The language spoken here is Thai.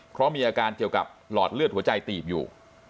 เพราะมีอาการเกี่ยวกับหลอดเลือดหัวใจตีบอยู่